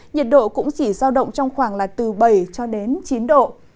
nhiệt độ cũng chỉ giao động trong khoảng từ bảy chín độ